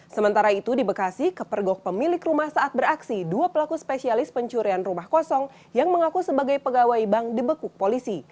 sementara itu di bekasi kepergok pemilik rumah saat beraksi dua pelaku spesialis pencurian rumah kosong yang mengaku sebagai pegawai bank dibekuk polisi